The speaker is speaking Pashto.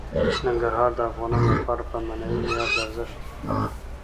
ننګرهار د افغانانو لپاره په معنوي لحاظ ارزښت لري.